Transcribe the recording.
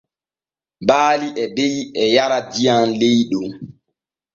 Baali e be’i e jara diyam ley ɗon.